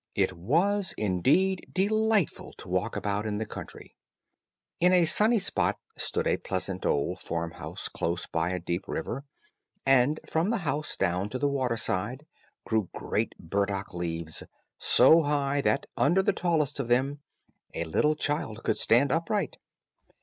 It was, indeed, delightful to walk about in the country. In a sunny spot stood a pleasant old farm house close by a deep river, and from the house down to the water side grew great burdock leaves, so high, that under the tallest of them a little child could stand upright.